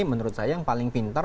menurut saya yang paling pinter